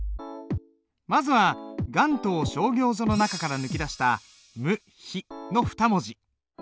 まずは「雁塔聖教序」の中から抜き出した「無比」の２文字。